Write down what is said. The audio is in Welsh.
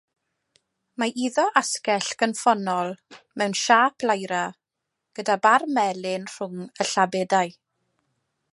Mae iddo asgell gynffonnol mewn siâp lyra gyda bar melyn rhwng y llabedau.